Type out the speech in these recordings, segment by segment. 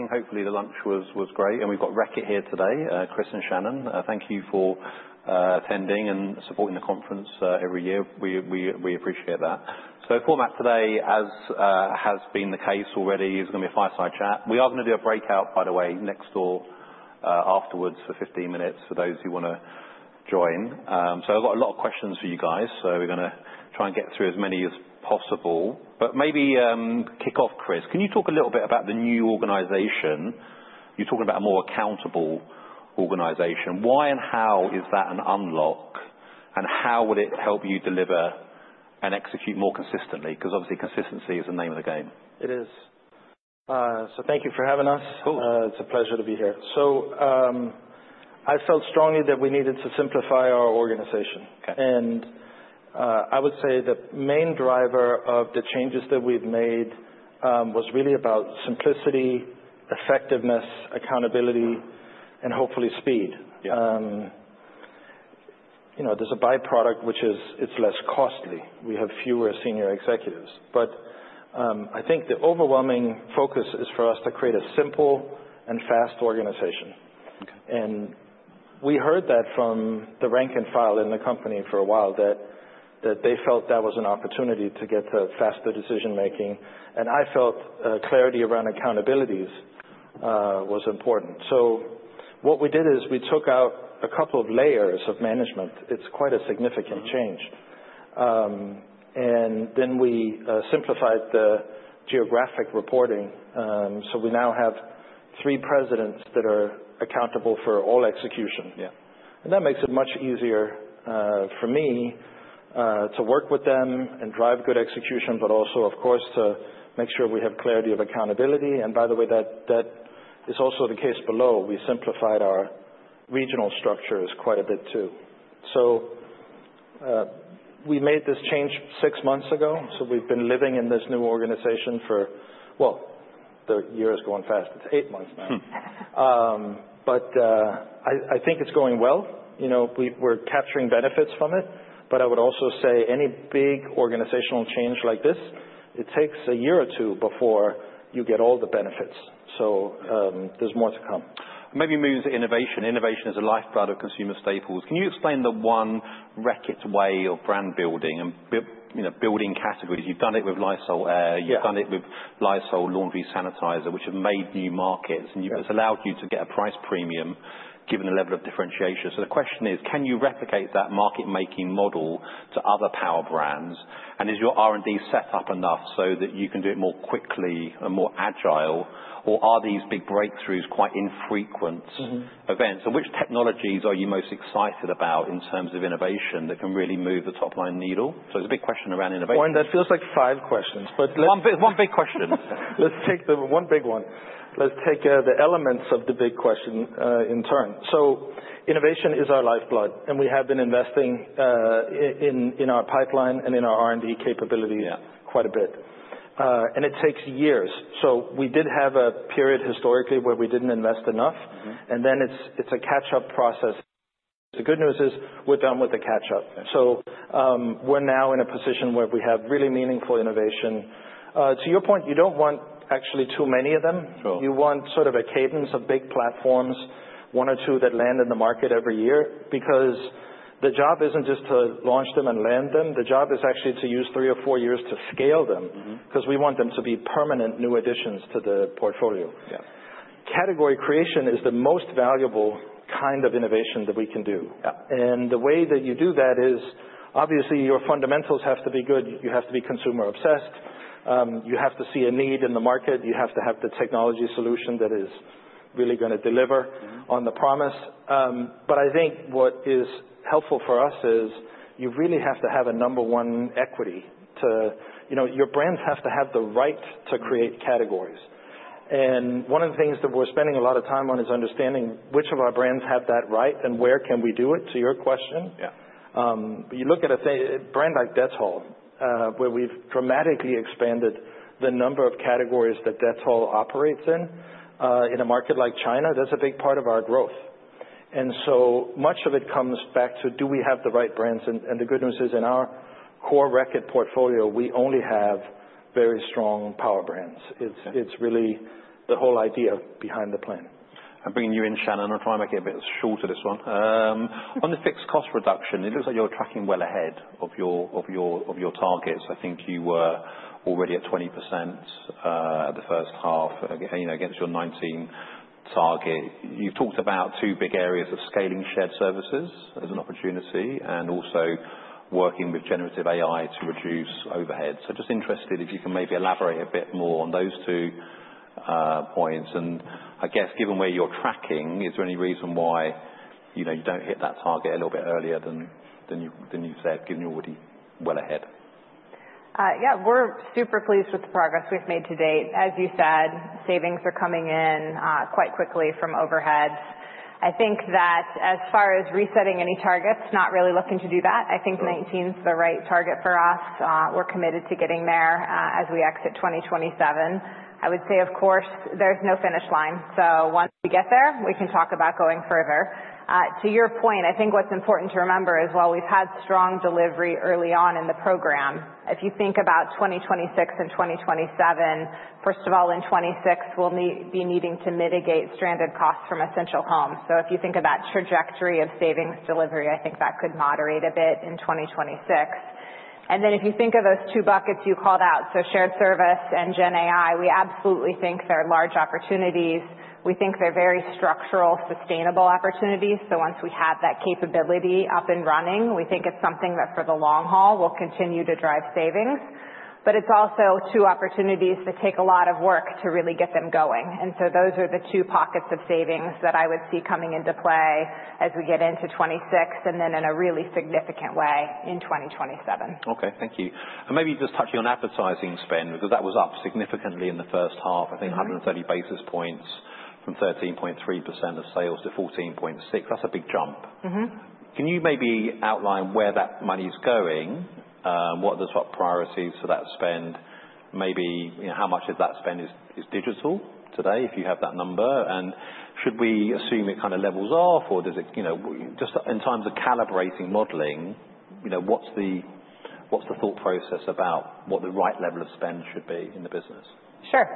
I think, hopefully, the lunch was great, and we've got Reckitt here today, Kris and Shannon. Thank you for attending and supporting the conference every year. We appreciate that, so the format today, as has been the case already, is going to be a fireside chat. We are going to do a breakout, by the way, next door afterwards for 15 minutes for those who want to join, so I've got a lot of questions for you guys. So we're going to try and get through as many as possible, but maybe kick off, Kris. Can you talk a little bit about the new organization? You're talking about a more accountable organization. Why and how is that an unlock? And how would it help you deliver and execute more consistently? Because obviously, consistency is the name of the game. It is. So, thank you for having us. Cool. It's a pleasure to be here. So, I felt strongly that we needed to simplify our organization. And I would say the main driver of the changes that we've made was really about simplicity, effectiveness, accountability, and hopefully speed. There's a byproduct, which is it's less costly. We have fewer senior executives. But I think the overwhelming focus is for us to create a simple and fast organization. And we heard that from the rank and file in the company for a while, that they felt that was an opportunity to get to faster decision-making. And I felt clarity around accountabilities was important. So, what we did is we took out a couple of layers of management. It's quite a significant change. And then we simplified the geographic reporting. So, we now have three presidents that are accountable for all execution. And that makes it much easier for me to work with them and drive good execution, but also, of course, to make sure we have clarity of accountability. And by the way, that is also the case below. We simplified our regional structures quite a bit, too. So, we made this change six months ago. So, we've been living in this new organization for, well, the year is going fast. It's eight months now. But I think it's going well. We're capturing benefits from it. But I would also say any big organizational change like this, it takes a year or two before you get all the benefits. So, there's more to come. Maybe moving to innovation. Innovation is a lifeblood of consumer staples. Can you explain the One Reckitt way of brand building and building categories? You've done it with Lysol Air. You've done it with Lysol Laundry Sanitizer, which have made new markets. And it's allowed you to get a price premium given the level of differentiation. So the question is, can you replicate that market-making model to other power brands? And is your R&D set up enough so that you can do it more quickly and more agile? Or are these big breakthroughs quite infrequent events? And which technologies are you most excited about in terms of innovation that can really move the top line needle? So it's a big question around innovation. That feels like five questions. But. One big question. Let's take the one big one. Let's take the elements of the big question in turn. So, innovation is our lifeblood. And we have been investing in our pipeline and in our R&D capabilities quite a bit. And it takes years. So, we did have a period historically where we didn't invest enough. And then it's a catch-up process. The good news is we're done with the catch-up. So we're now in a position where we have really meaningful innovation. To your point, you don't want actually too many of them. You want sort of a cadence of big platforms, one or two that land in the market every year. Because the job isn't just to launch them and land them. The job is actually to use three or four years to scale them. Because we want them to be permanent new additions to the portfolio. Category creation is the most valuable kind of innovation that we can do. And the way that you do that is, obviously, your fundamentals have to be good. You have to be consumer-obsessed. You have to see a need in the market. You have to have the technology solution that is really going to deliver on the promise. But I think what is helpful for us is you really have to have a number one equity. Your brands have to have the right to create categories. And one of the things that we're spending a lot of time on is understanding which of our brands have that right and where can we do it, to your question. But you look at a brand like Dettol, where we've dramatically expanded the number of categories that Dettol operates in. In a market like China, that's a big part of our growth. And so much of it comes back to do we have the right brands? And the good news is in our core Reckitt portfolio, we only have very strong power brands. It's really the whole idea behind the plan. Bringing you in, Shannon. I'll try and make it a bit shorter, this one. On the fixed cost reduction, it looks like you're tracking well ahead of your targets. I think you were already at 20% the first half against your 19% target. You've talked about two big areas of scaling shared services as an opportunity and also working with Generative AI to reduce overhead. So, just interested if you can maybe elaborate a bit more on those two points. And I guess, given where you're tracking, is there any reason why you don't hit that target a little bit earlier than you've said, given you're already well ahead? Yeah, we're super pleased with the progress we've made to date. As you said, savings are coming in quite quickly from overhead. I think that as far as resetting any targets, not really looking to do that. I think 19% is the right target for us. We're committed to getting there as we exit 2027. I would say, of course, there's no finish line. So, once we get there, we can talk about going further. To your point, I think what's important to remember is while we've had strong delivery early on in the program, if you think about 2026 and 2027, first of all, in 2026, we'll be needing to mitigate stranded costs from Essential Home. So, if you think of that trajectory of savings delivery, I think that could moderate a bit in 2026. And then if you think of those two buckets you called out, so shared service and GenAI, we absolutely think they're large opportunities. We think they're very structural, sustainable opportunities. So once we have that capability up and running, we think it's something that for the long haul will continue to drive savings. But it's also two opportunities that take a lot of work to really get them going. And so those are the two pockets of savings that I would see coming into play as we get into 2026 and then in a really significant way in 2027. Okay, thank you. And maybe just touching on advertising spend, because that was up significantly in the first half, I think 130 basis points from 13.3% of sales to 14.6%. That's a big jump. Can you maybe outline where that money is going, what the top priorities for that spend, maybe how much of that spend is digital today, if you have that number? And should we assume it kind of levels off? Or just in terms of calibrating modeling, what's the thought process about what the right level of spend should be in the business? Sure.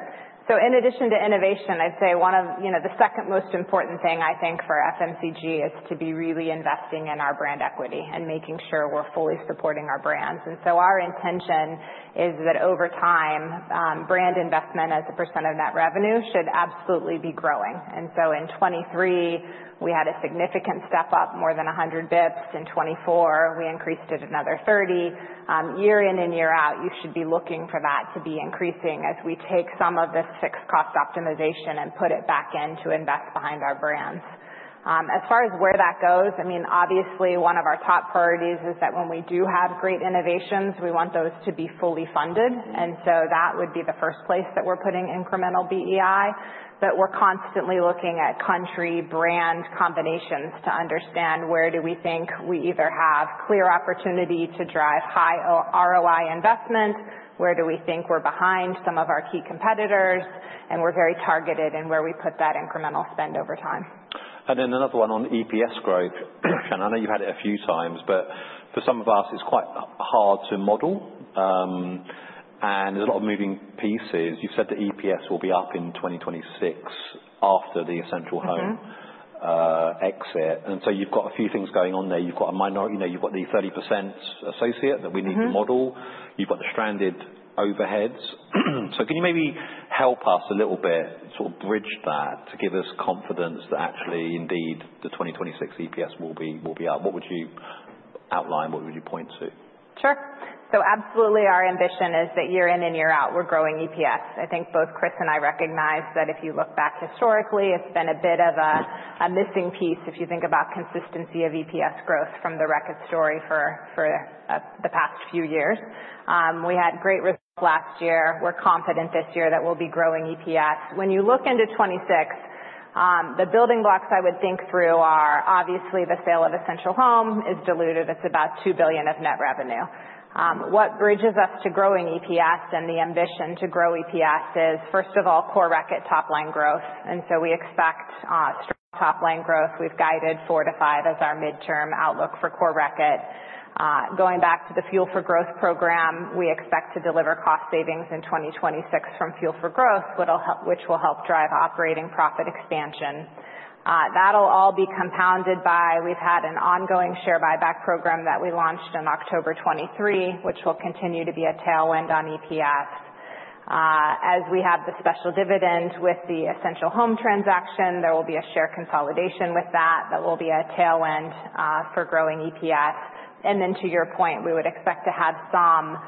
So in addition to innovation, I'd say one of the second most important things, I think, for FMCG is to be really investing in our brand equity and making sure we're fully supporting our brands. And so our intention is that over time, brand investment as a % of net revenue should absolutely be growing. And so in 2023, we had a significant step up, more than 100 basis points. In 2024, we increased it another 30 basis points. Year in and year out, you should be looking for that to be increasing as we take some of this fixed cost optimization and put it back in to invest behind our brands. As far as where that goes, I mean, obviously, one of our top priorities is that when we do have great innovations, we want those to be fully funded. That would be the first place that we're putting incremental BEI. We're constantly looking at country-brand combinations to understand where do we think we either have clear opportunity to drive high ROI investment, where do we think we're behind some of our key competitors, and we're very targeted in where we put that incremental spend over time. And then another one on EPS growth. Shannon, I know you've had it a few times, but for some of us, it's quite hard to model. And there's a lot of moving pieces. You've said that EPS will be up in 2026 after the Essential Home exit. And so you've got a few things going on there. You've got the 30% associate that we need to model. You've got the stranded overheads. So, can you maybe help us a little bit, sort of bridge that to give us confidence that actually, indeed, the 2026 EPS will be up? What would you outline? What would you point to? Sure. So absolutely, our ambition is that year in and year out, we're growing EPS. I think both Kris and I recognize that if you look back historically, it's been a bit of a missing piece if you think about consistency of EPS growth from the Reckitt story for the past few years. We had great results last year. We're confident this year that we'll be growing EPS. When you look into 2026, the building blocks I would think through are, obviously, the sale of Essential Home is diluted. It's about $2 billion of net revenue. What bridges us to growing EPS and the ambition to grow EPS is, first of all, core Reckitt top line growth. And so we expect strong top line growth. We've guided 4%-5% as our midterm outlook for core Reckitt. Going back to the Fuel for Growth programme, we expect to deliver cost savings in 2026 from Fuel for Growth, which will help drive operating profit expansion. That'll all be compounded by we've had an ongoing share buyback program that we launched in October 2023, which will continue to be a tailwind on EPS. As we have the special dividend with the Essential Home transaction, there will be a share consolidation with that. That will be a tailwind for growing EPS. And then to your point, we would expect to have some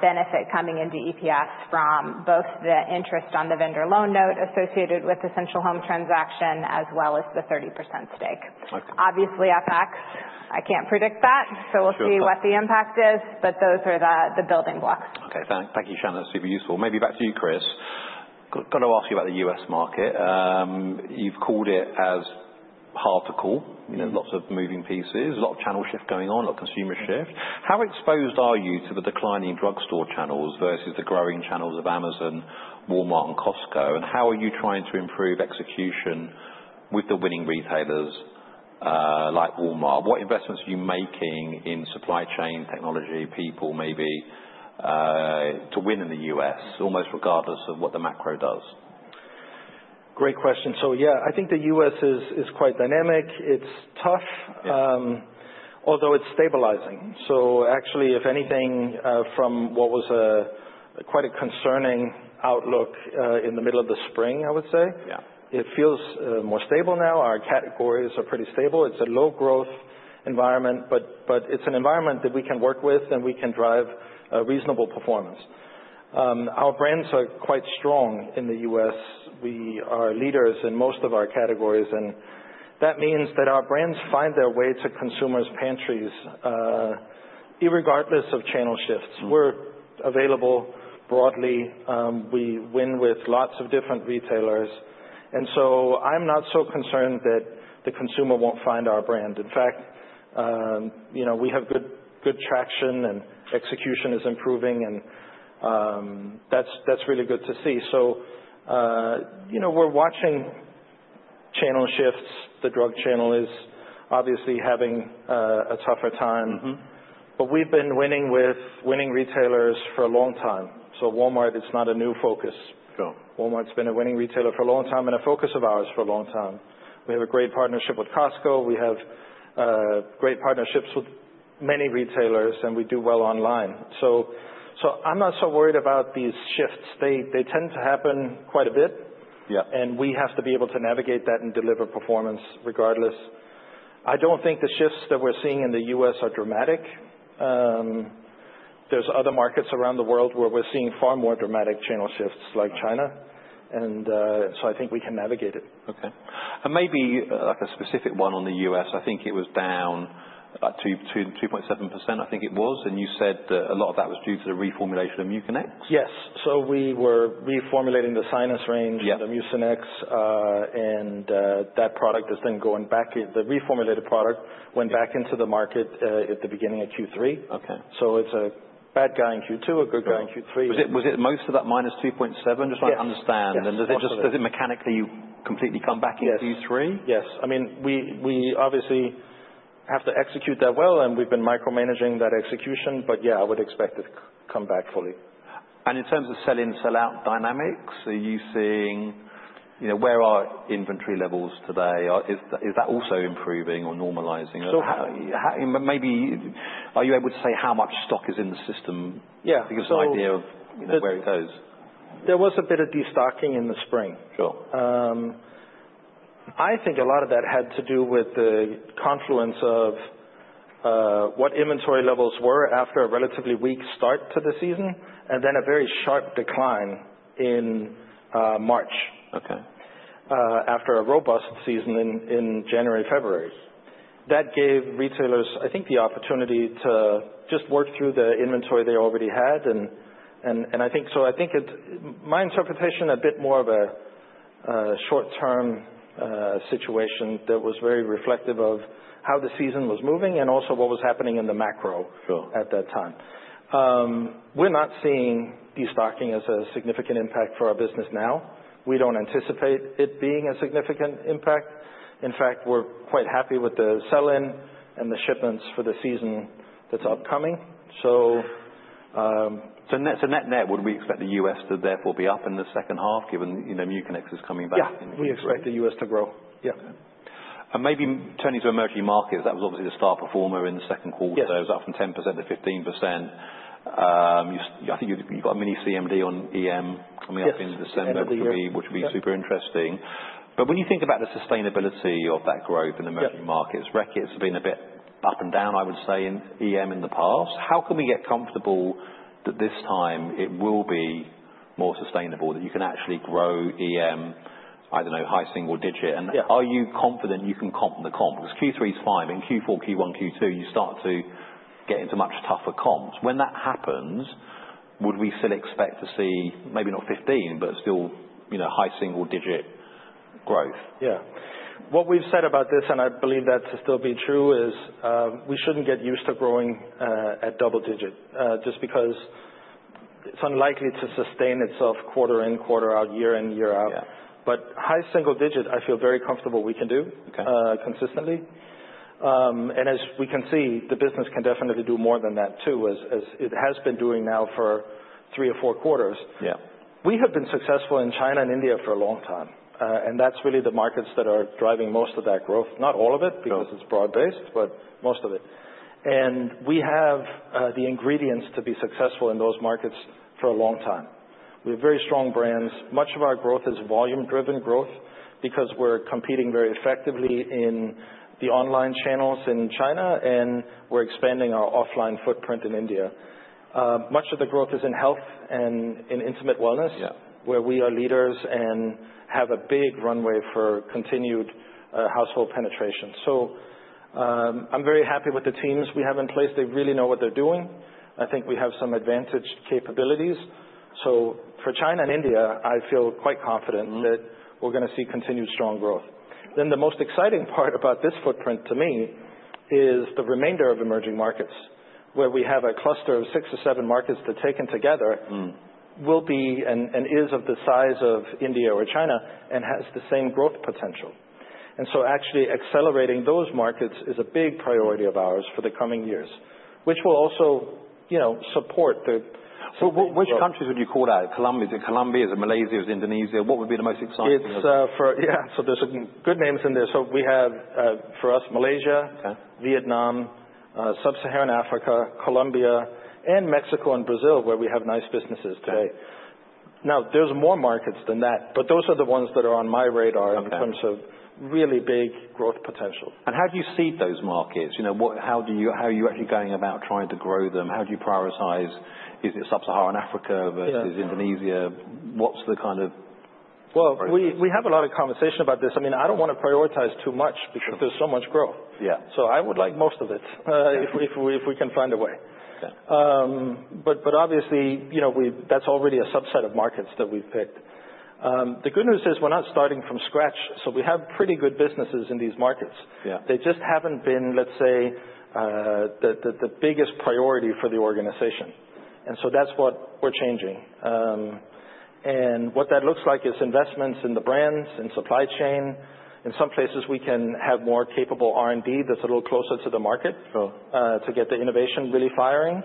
benefit coming into EPS from both the interest on the vendor loan note associated with Essential Home transaction as well as the 30% stake. Obviously, FX, I can't predict that. So we'll see what the impact is. But those are the building blocks. Okay, thank you, Shannon. That's super useful. Maybe back to you, Kris. Got to ask you about the U.S. market. You've called it as hard to call. Lots of moving pieces, a lot of channel shift going on, a lot of consumer shift. How exposed are you to the declining drugstore channels versus the growing channels of Amazon, Walmart, and Costco? And how are you trying to improve execution with the winning retailers like Walmart? What investments are you making in supply chain technology people maybe to win in the US, almost regardless of what the macro does? Great question. So yeah, I think the U.S. is quite dynamic. It's tough, although it's stabilizing. So actually, if anything, from what was quite a concerning outlook in the middle of the spring, I would say, it feels more stable now. Our categories are pretty stable. It's a low-growth environment, but it's an environment that we can work with and we can drive reasonable performance. Our brands are quite strong in the U.S. We are leaders in most of our categories. And that means that our brands find their way to consumers' pantries irregardless of channel shifts. We're available broadly. We win with lots of different retailers. And so I'm not so concerned that the consumer won't find our brand. In fact, we have good traction and execution is improving. And that's really good to see. So we're watching channel shifts. The drug channel is obviously having a tougher time. But we've been winning with winning retailers for a long time. So, Walmart is not a new focus. Walmart's been a winning retailer for a long time and a focus of ours for a long time. We have a great partnership with Costco. We have great partnerships with many retailers. And we do well online. So I'm not so worried about these shifts. They tend to happen quite a bit. And we have to be able to navigate that and deliver performance regardless. I don't think the shifts that we're seeing in the U.S. are dramatic. There's other markets around the world where we're seeing far more dramatic channel shifts, like China. And so, I think we can navigate it. Okay. And maybe like a specific one on the U.S. I think it was down 2.7%, I think it was. And you said that a lot of that was due to the reformulation of Mucinex. Yes. So, we were reformulating the Sinus range and the Mucinex. And that product has been going back. The reformulated product went back into the market at the beginning of Q3. So it's a bad guy in Q2, a good guy in Q3. Was it most of that minus 2.7? Just trying to understand. And does it mechanically completely come back in Q3? Yes. I mean, we obviously have to execute that well, and we've been micromanaging that execution, but yeah, I would expect it to come back fully. In terms of sell-in, sell-out dynamics, are you seeing where are inventory levels today? Is that also improving or normalizing? Maybe are you able to say how much stock is in the system? Give us an idea of where it goes. There was a bit of destocking in the spring. I think a lot of that had to do with the confluence of what inventory levels were after a relatively weak start to the season and then a very sharp decline in March after a robust season in January and February. That gave retailers, I think, the opportunity to just work through the inventory they already had, and so I think my interpretation is a bit more of a short-term situation that was very reflective of how the season was moving and also what was happening in the macro at that time. We're not seeing destocking as a significant impact for our business now. We don't anticipate it being a significant impact. In fact, we're quite happy with the sell-in and the shipments for the season that's upcoming. So net-net, would we expect the U.S. to therefore be up in the second half, given Mucinex is coming back? Yeah, we expect the U.S. to grow. Yeah. And maybe turning to emerging markets, that was obviously the star performer in the second quarter. It was up from 10% to 15%. I think you've got a mini CMD on EM coming up in December, which will be super interesting. But when you think about the sustainability of that growth in emerging markets, Reckitt's been a bit up and down, I would say, in EM in the past. How can we get comfortable that this time it will be more sustainable, that you can actually grow EM, I don't know, high single digit? And are you confident you can comp the comp? Because Q3 is fine. But in Q4, Q1, Q2, you start to get into much tougher comps. When that happens, would we still expect to see maybe not 15%, but still high single digit growth? Yeah. What we've said about this, and I believe that to still be true, is we shouldn't get used to growing at double digit just because it's unlikely to sustain itself quarter in, quarter out, year in, year out, but high single digit I feel very comfortable we can do consistently. And as we can see, the business can definitely do more than that, too, as it has been doing now for three or four quarters. We have been successful in China and India for a long time, and that's really the markets that are driving most of that growth. Not all of it, because it's broad-based, but most of it, and we have the ingredients to be successful in those markets for a long time. We have very strong brands. Much of our growth is volume-driven growth because we're competing very effectively in the online channels in China. And we're expanding our offline footprint in India. Much of the growth is in health and in intimate wellness, where we are leaders and have a big runway for continued household penetration. So, I'm very happy with the teams we have in place. They really know what they're doing. I think we have some advantaged capabilities. So, for China and India, I feel quite confident that we're going to see continued strong growth. Then the most exciting part about this footprint to me is the remainder of emerging markets, where we have a cluster of six or seven markets that taken together will be and is of the size of India or China and has the same growth potential. And so actually accelerating those markets is a big priority of ours for the coming years, which will also support the. Which countries would you call out? Is it Colombia? Is it Malaysia? Is it Indonesia? What would be the most exciting? Yeah. So, there's good names in there. So, we have, for us, Malaysia, Vietnam, Sub-Saharan Africa, Colombia, and Mexico and Brazil, where we have nice businesses today. Now, there's more markets than that, but those are the ones that are on my radar in terms of really big growth potential. And how do you seed those markets? How are you actually going about trying to grow them? How do you prioritize? Is it Sub-Saharan Africa versus Indonesia? What's the kind of? Well, we have a lot of conversation about this. I mean, I don't want to prioritize too much because there's so much growth. So, I would like most of it if we can find a way. But obviously, that's already a subset of markets that we've picked. The good news is we're not starting from scratch. So, we have pretty good businesses in these markets. They just haven't been, let's say, the biggest priority for the organization. And so that's what we're changing. And what that looks like is investments in the brands and supply chain. In some places, we can have more capable R&D that's a little closer to the market to get the innovation really firing.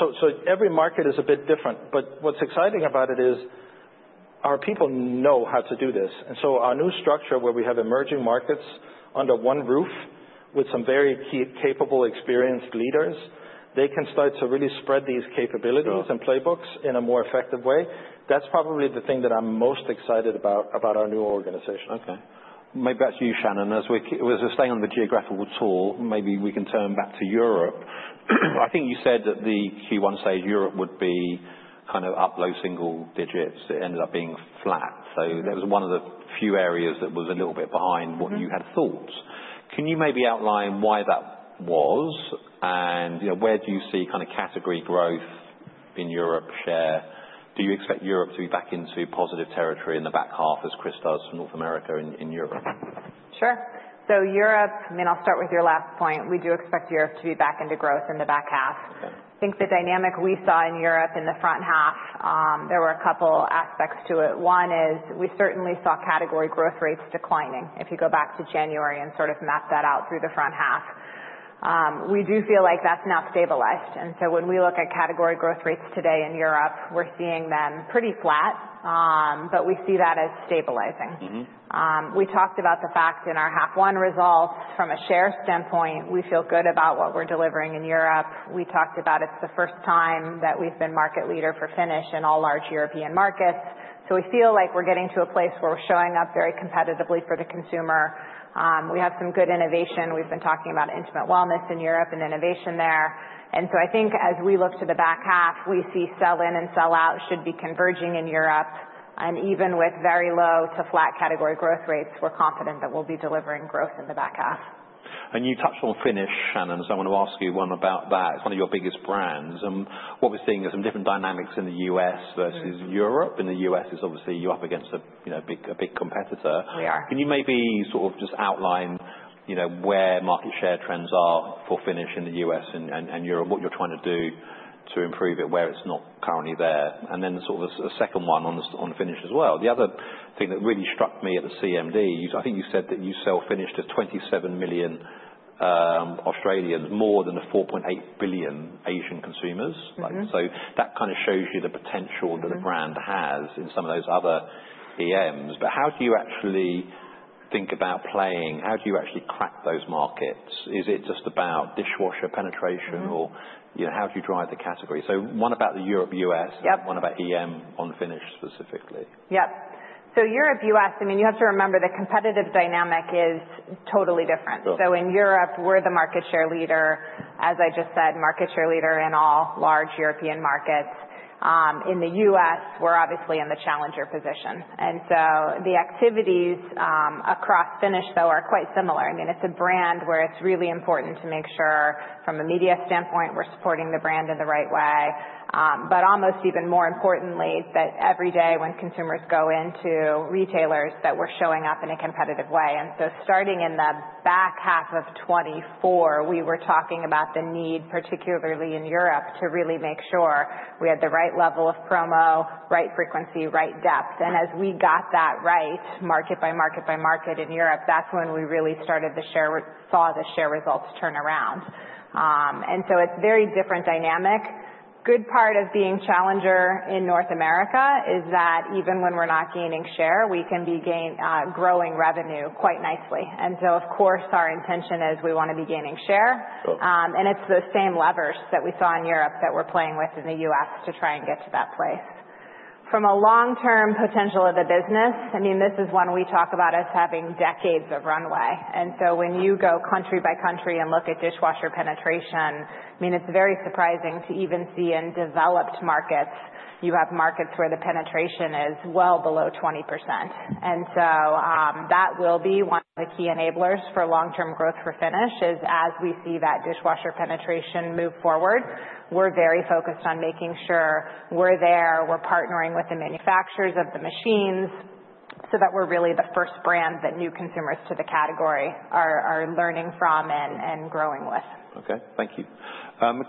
So, every market is a bit different. But what's exciting about it is our people know how to do this. And so our new structure, where we have emerging markets under one roof with some very capable, experienced leaders, they can start to really spread these capabilities and playbooks in a more effective way. That's probably the thing that I'm most excited about, about our new organization. Okay. Maybe back to you, Shannon. As we're staying on the geographical tour, maybe we can turn back to Europe. I think you said that the Q1 stage, Europe would be kind of up low single digits. It ended up being flat. So, that was one of the few areas that was a little bit behind what you had thought. Can you maybe outline why that was? And where do you see kind of category growth in Europe share? Do you expect Europe to be back into positive territory in the back half, as Kris does, from North America in Europe? Sure. So Europe, I mean, I'll start with your last point. We do expect Europe to be back into growth in the back half. I think the dynamic we saw in Europe in the front half, there were a couple aspects to it. One is we certainly saw category growth rates declining. If you go back to January and sort of map that out through the front half, we do feel like that's now stabilized. And so when we look at category growth rates today in Europe, we're seeing them pretty flat. But we see that as stabilizing. We talked about the fact in our half one results, from a share standpoint, we feel good about what we're delivering in Europe. We talked about it's the first time that we've been market leader for Finish and all large European markets. So, we feel like we're getting to a place where we're showing up very competitively for the consumer. We have some good innovation. We've been talking about intimate wellness in Europe and innovation there. And so I think as we look to the back half, we see sell-in and sell-out should be converging in Europe. And even with very low to flat category growth rates, we're confident that we'll be delivering growth in the back half. And you touched on Finish, Shannon. So, I want to ask you one about that. It's one of your biggest brands. And what we're seeing are some different dynamics in the U.S. versus Europe. In the U.S., it's obviously you're up against a big competitor. We are. Can you maybe sort of just outline where market share trends are for Finish in the U.S. and Europe, what you're trying to do to improve it where it's not currently there? And then sort of a second one on Finish as well. The other thing that really struck me at the CMD, I think you said that you sell Finish to 27 million Australians, more than the 4.8 billion Asian consumers. So, that kind of shows you the potential that a brand has in some of those other EMs. But how do you actually think about playing? How do you actually crack those markets? Is it just about dishwasher penetration? Or how do you drive the category? So one about the Europe-U.S., one about EM on Finish specifically. Yep. So Europe-U.S., I mean, you have to remember the competitive dynamic is totally different. So in Europe, we're the market share leader, as I just said, market share leader in all large European markets. In the U.S., we're obviously in the challenger position. And so the activities across Finish, though, are quite similar. I mean, it's a brand where it's really important to make sure from a media standpoint, we're supporting the brand in the right way. But almost even more importantly, that every day when consumers go into retailers, that we're showing up in a competitive way. And so starting in the back half of 2024, we were talking about the need, particularly in Europe, to really make sure we had the right level of promo, right frequency, right depth. As we got that right, market by market by market in Europe, that's when we really started to see the share results turn around. So it's a very different dynamic. A good part of being a challenger in North America is that even when we're not gaining share, we can be growing revenue quite nicely. Of course, our intention is we want to be gaining share. It's the same levers that we saw in Europe that we're playing with in the U.S. to try and get to that place. From a long-term potential of the business, I mean, this is one we talk about as having decades of runway. When you go country by country and look at dishwasher penetration, I mean, it's very surprising to even see in developed markets, you have markets where the penetration is well below 20%. That will be one of the key enablers for long-term growth for Finish as we see that dishwasher penetration move forward. We're very focused on making sure we're there. We're partnering with the manufacturers of the machines so that we're really the first brand that new consumers to the category are learning from and growing with. Okay. Thank you.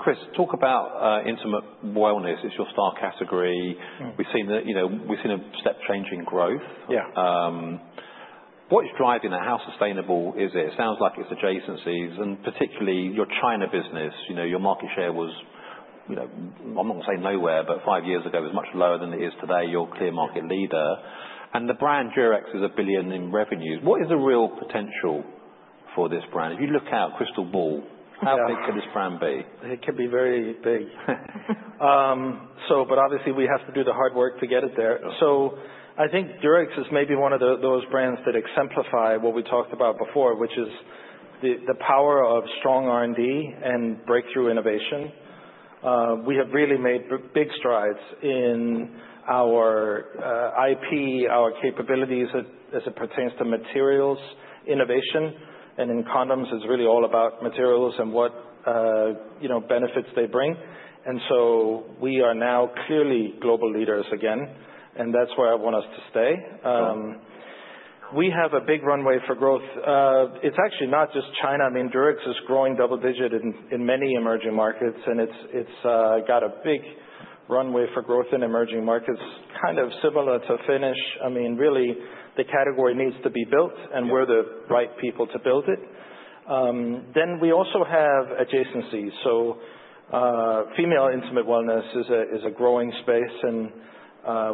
Kris, talk about intimate wellness. It's your star category. We've seen a step-changing growth. What's driving that? How sustainable is it? It sounds like it's adjacencies. And particularly your China business, your market share was, I'm not going to say nowhere, but five years ago was much lower than it is today. You're a clear market leader. And the brand Durex is a billion in revenues. What is the real potential for this brand? If you look out, crystal ball, how big could this brand be? It could be very big, but obviously, we have to do the hard work to get it there. So, I think Durex is maybe one of those brands that exemplify what we talked about before, which is the power of strong R&D and breakthrough innovation. We have really made big strides in our IP, our capabilities as it pertains to materials innovation, and in condoms, it's really all about materials and what benefits they bring, and so we are now clearly global leaders again, and that's where I want us to stay. We have a big runway for growth. It's actually not just China. I mean, Durex is growing double-digit in many emerging markets, and it's got a big runway for growth in emerging markets, kind of similar to Finish. I mean, really, the category needs to be built and we're the right people to build it. Then we also have adjacencies. So, female intimate wellness is a growing space. And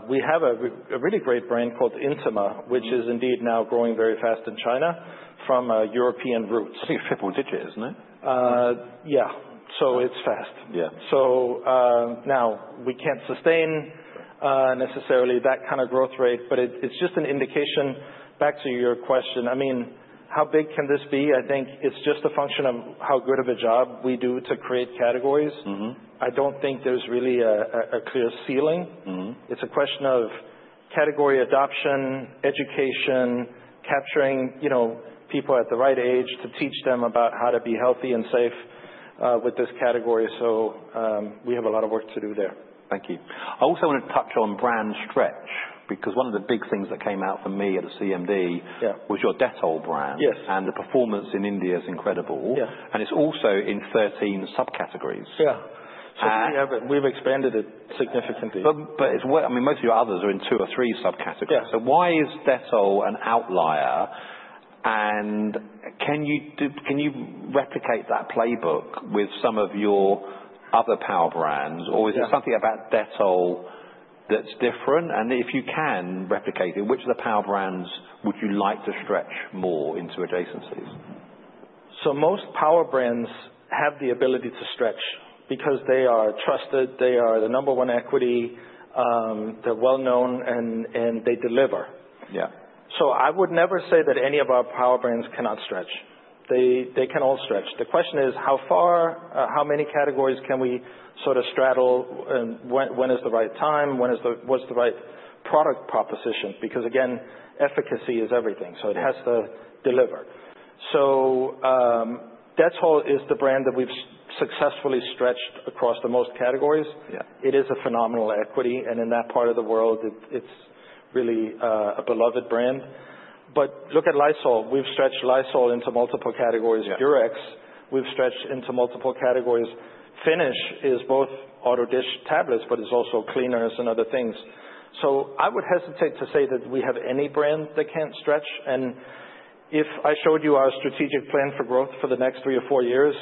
we have a really great brand called Intima, which is indeed now growing very fast in China from European roots. You've hit double digit, isn't it? Yeah. So it's fast. So, now we can't sustain necessarily that kind of growth rate. But it's just an indication back to your question. I mean, how big can this be? I think it's just a function of how good of a job we do to create categories. I don't think there's really a clear ceiling. It's a question of category adoption, education, capturing people at the right age to teach them about how to be healthy and safe with this category. So, we have a lot of work to do there. Thank you. I also want to touch on brand stretch because one of the big things that came out for me at the CMD was your Dettol brand and the performance in India is incredible, and it's also in 13 subcategories. Yeah, so we've expanded it significantly. But I mean, most of your others are in two or three subcategories. So, why is Dettol an outlier? And can you replicate that playbook with some of your other power brands? Or is there something about Dettol that's different? And if you can replicate it, which of the power brands would you like to stretch more into adjacencies? So, most power brands have the ability to stretch because they are trusted. They are the number one equity. They're well known. And they deliver. So, I would never say that any of our power brands cannot stretch. They can all stretch. The question is how far, how many categories can we sort of straddle? And when is the right time? What's the right product proposition? Because again, efficacy is everything. So it has to deliver. So, Dettol is the brand that we've successfully stretched across the most categories. It is a phenomenal equity. And in that part of the world, it's really a beloved brand. But look at Lysol. We've stretched Lysol into multiple categories. Durex, we've stretched into multiple categories. Finish is both auto dish tablets, but it's also cleaners and other things. So, I would hesitate to say that we have any brand that can't stretch. And if I showed you our strategic plan for growth for the next three or four years,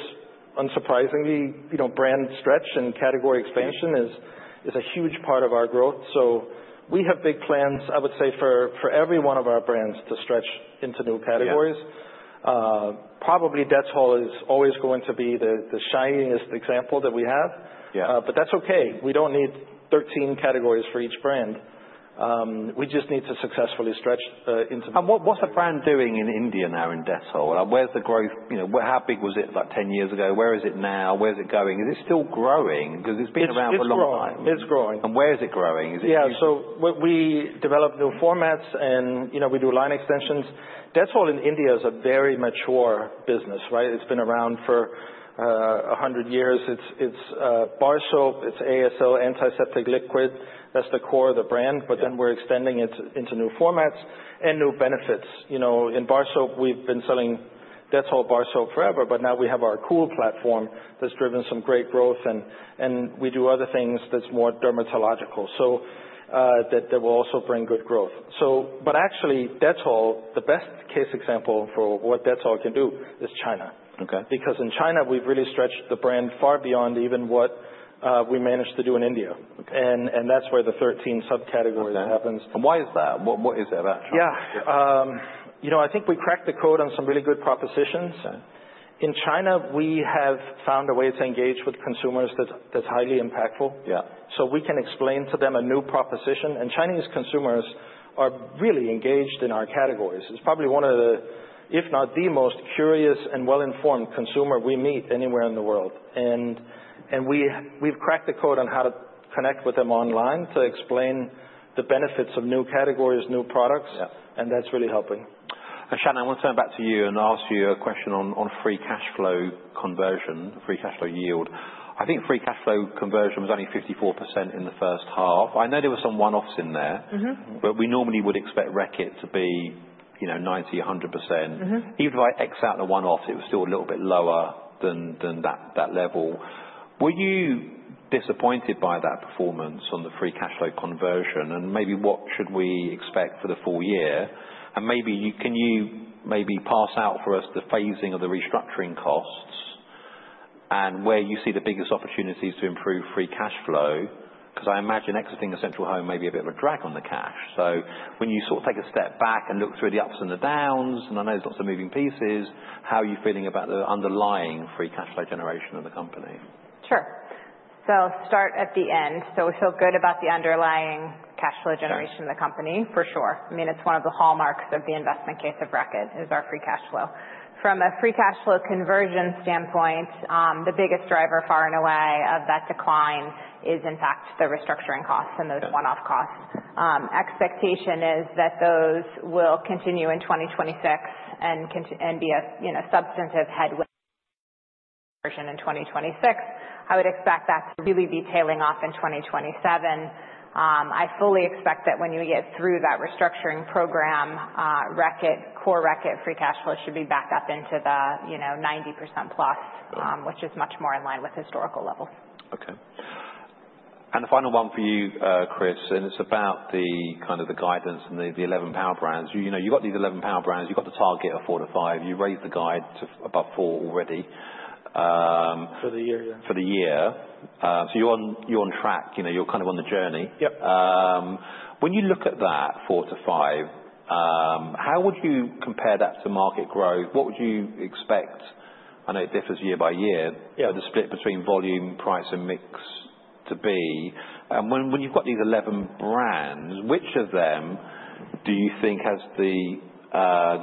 unsurprisingly, brand stretch and category expansion is a huge part of our growth. So, we have big plans, I would say, for every one of our brands to stretch into new categories. Probably Dettol is always going to be the shiniest example that we have. But that's okay. We don't need 13 categories for each brand. We just need to successfully stretch into. What's the brand doing in India now in Dettol? Where's the growth? How big was it like 10 years ago? Where is it now? Where's it going? Is it still growing? Because it's been around for a long time. It's growing. Where is it growing? Yeah, so we develop new formats and do line extensions. Dettol in India is a very mature business. It's been around for 100 years. It's bar soap. It's ASL, antiseptic liquid. That's the core of the brand, but then we're extending it into new formats and new benefits. In bar soap, we've been selling Dettol bar soap forever, but now we have our Cool platform that's driven some great growth, and we do other things that's more dermatological that will also bring good growth. But actually, Dettol, the best case example for what Dettol can do is China. Because in China, we've really stretched the brand far beyond even what we managed to do in India, and that's where the 13 subcategories happens. Why is that? What is it about, Shannon? Yeah. I think we cracked the code on some really good propositions. In China, we have found a way to engage with consumers that's highly impactful. So, we can explain to them a new proposition, and Chinese consumers are really engaged in our categories. It's probably one of the, if not the most curious and well-informed consumers we meet anywhere in the world. And we've cracked the code on how to connect with them online to explain the benefits of new categories, new products, and that's really helping. Shannon, I want to turn back to you and ask you a question on free cash flow conversion, free cash flow yield. I think free cash flow conversion was only 54% in the first half. I know there were some one-offs in there. But we normally would expect Reckitt to be 90%, 100%. Even if I X out the one-offs, it was still a little bit lower than that level. Were you disappointed by that performance on the free cash flow conversion? And maybe what should we expect for the full year? And maybe can you maybe pass out for us the phasing of the restructuring costs and where you see the biggest opportunities to improve free cash flow? Because I imagine exiting Essential Home may be a bit of a drag on the cash. So, when you sort of take a step back and look through the ups and the downs, and I know there's lots of moving pieces, how are you feeling about the underlying free cash flow generation of the company? Sure. So, I'll start at the end. So we feel good about the underlying cash flow generation of the company, for sure. I mean, it's one of the hallmarks of the investment case of Reckitt, is our free cash flow. From a free cash flow conversion standpoint, the biggest driver far and away of that decline is, in fact, the restructuring costs and those one-off costs. Expectation is that those will continue in 2026 and be a substantive headwind in 2026. I would expect that to really be tailing off in 2027. I fully expect that when you get through that restructuring program, Reckitt, core Reckitt free cash flow should be back up into the 90% plus, which is much more in line with historical levels. Okay. And the final one for you, Kris. And it's about the kind of guidance and the 11 power brands. You've got these 11 power brands. You've got the target of four to five. You raised the guide to about four already. For the year, yeah. For the year. So you're on track. You're kind of on the journey. When you look at that four to five, how would you compare that to market growth? What would you expect? I know it differs year by year, but the split between volume, price, and mix to be. And when you've got these 11 brands, which of them do you think has the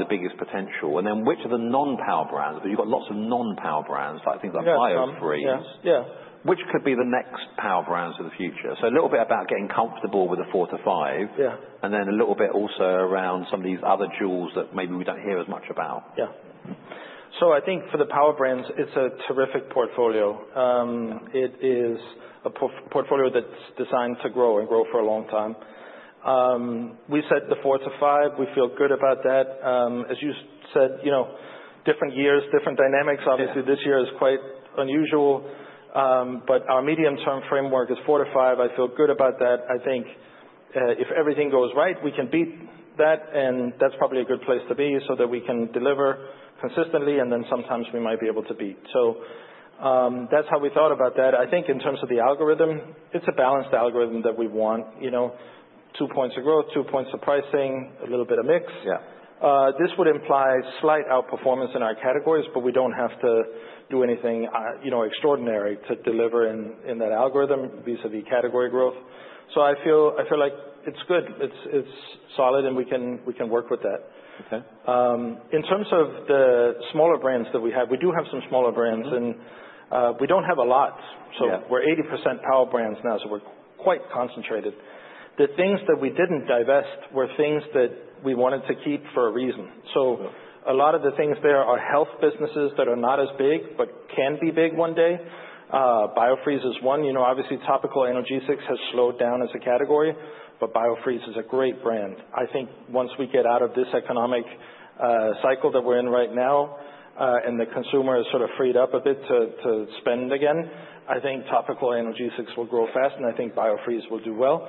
biggest potential? And then which of the non-power brands? Because you've got lots of non-power brands, like things like Biofreeze. Yeah. Which could be the next power brands for the future? So, a little bit about getting comfortable with the four to five, and then a little bit also around some of these other jewels that maybe we don't hear as much about. Yeah. So, I think for the power brands, it's a terrific portfolio. It is a portfolio that's designed to grow and grow for a long time. We said the four to five. We feel good about that. As you said, different years, different dynamics. Obviously, this year is quite unusual. But our medium-term framework is four to five. I feel good about that. I think if everything goes right, we can beat that. And that's probably a good place to be so that we can deliver consistently. And then sometimes we might be able to beat. So that's how we thought about that. I think in terms of the algorithm, it's a balanced algorithm that we want. Two points of growth, two points of pricing, a little bit of mix. This would imply slight outperformance in our categories. But we don't have to do anything extraordinary to deliver in that algorithm vis-à-vis category growth. So I feel like it's good. It's solid. And we can work with that. In terms of the smaller brands that we have, we do have some smaller brands. And we don't have a lot. So we're 80% power brands now. So we're quite concentrated. The things that we didn't divest were things that we wanted to keep for a reason. So a lot of the things there are health businesses that are not as big but can be big one day. Biofreeze is one. Obviously, topical analgesics has slowed down as a category. But Biofreeze is a great brand. I think once we get out of this economic cycle that we're in right now and the consumer is sort of freed up a bit to spend again, I think topical analgesics will grow fast, and I think Biofreeze will do well.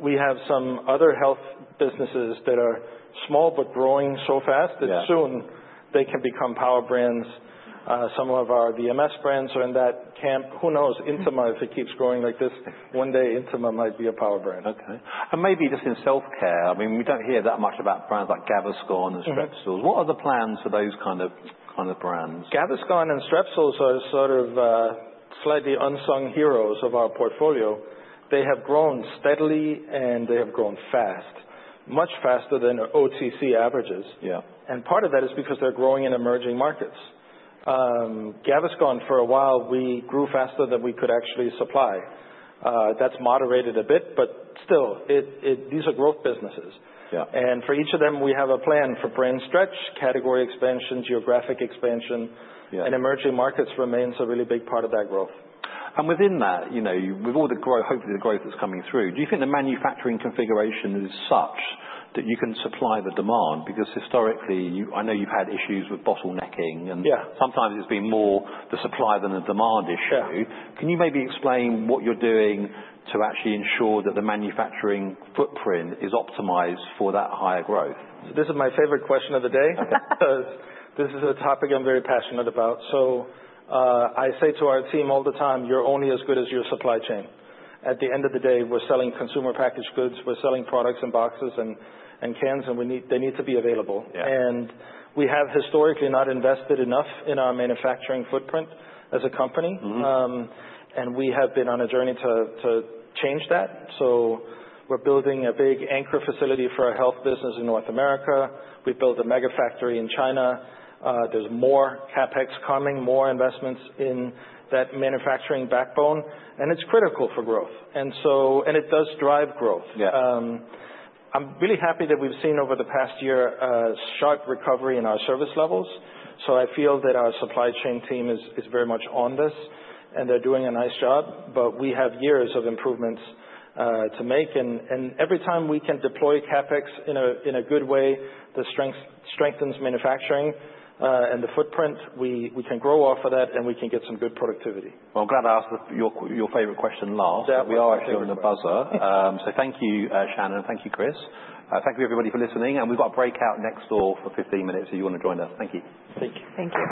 We have some other health businesses that are small but growing so fast that soon they can become power brands. Some of our VMS brands are in that camp. Who knows? Intima, if it keeps growing like this one day, Intima might be a power brand. Okay. And maybe just in self-care, I mean, we don't hear that much about brands like Gaviscon and Strepsils. What are the plans for those kind of brands? Gaviscon and Strepsils are sort of slightly unsung heroes of our portfolio. They have grown steadily, and they have grown fast, much faster than OTC averages. Part of that is because they're growing in emerging markets. Gaviscon, for a while, we grew faster than we could actually supply. That's moderated a bit, but still, these are growth businesses. For each of them, we have a plan for brand stretch, category expansion, geographic expansion. Emerging markets remains a really big part of that growth. Within that, with all the hopefully the growth that's coming through, do you think the manufacturing configuration is such that you can supply the demand? Because historically, I know you've had issues with bottlenecking. Sometimes it's been more the supply than the demand issue. Can you maybe explain what you're doing to actually ensure that the manufacturing footprint is optimized for that higher growth? This is my favorite question of the day. This is a topic I'm very passionate about. So, I say to our team all the time, you're only as good as your supply chain. At the end of the day, we're selling consumer packaged goods. We're selling products in boxes and cans, and they need to be available. And we have historically not invested enough in our manufacturing footprint as a company, and we have been on a journey to change that. So, we're building a big anchor facility for a health business in North America. We built a mega factory in China. There's more CapEx coming, more investments in that manufacturing backbone, and it's critical for growth, and it does drive growth. I'm really happy that we've seen over the past year a sharp recovery in our service levels. So, I feel that our supply chain team is very much on this. And they're doing a nice job. But we have years of improvements to make. And every time we can deploy CapEx in a good way, that strengthens manufacturing and the footprint, we can grow off of that. And we can get some good productivity. I'm glad I asked your favorite question last. We are actually on the buzzer, so thank you, Shannon, and thank you, Kris. Thank you, everybody, for listening, and we've got a breakout next door for 15 minutes. If you want to join us, thank you. Thank you.